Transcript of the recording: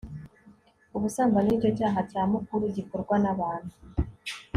ubusambanyi nicyo cyaha nyamukuru gikorwa nabantu